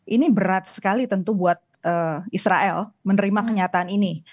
ini berat sekali tentu buat israel menerima kenyataan ini